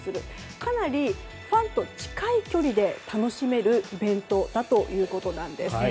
かなりファンと近い距離で楽しめるイベントだということです。